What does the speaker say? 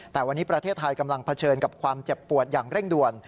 แต่วันนี้ประเทศไทยกำลังเผชิญกับความเจ็บปวดอย่างเร่งด่วน